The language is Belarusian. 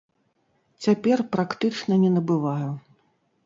Цяпер практычна не набываю.